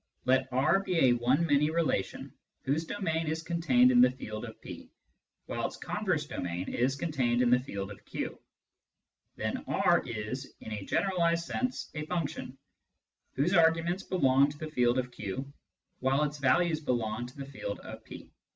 Let R be a one many relation whose domain is contained in the field of P, while its converse domain is con tained in the field of Q. Then R is (in a generalised sense) a function, whose arguments belong to the field of Q, while its values belong to the field of P.